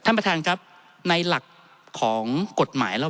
ท่านประธานครับนี่คือสิ่งที่สุดท้ายของท่านครับ